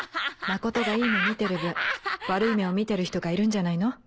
真琴がいい目見てる分悪い目を見てる人がいるんじゃないの？